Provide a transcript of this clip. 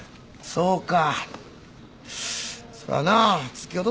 そうか。